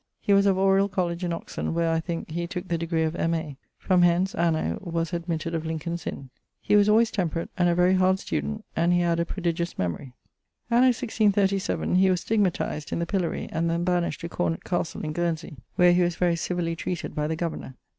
He was of Oriall College in Oxon[BA], where, I thinke, he tooke the degree of M.A. From hence, anno ... was admitted of Lincoln's Inne. He was alwayes temperate and a very hard student, and he had a prodigious memorie. Anno <1637> he was stigmatiz'd[LXIII.] in the pillorie, and then banished to Cornet castle in sey, where he was very civilly treated by the governour